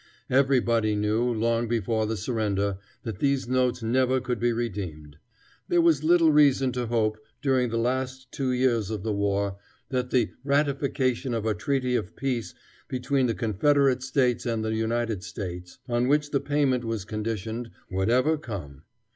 Everybody knew, long before the surrender, that these notes never could be redeemed. There was little reason to hope, during the last two years of the war, that the "ratification of a treaty of peace between the Confederate States and the United States," on which the payment was conditioned, would ever come.